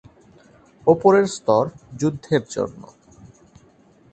ওপরের স্তর যুদ্ধের জন্য।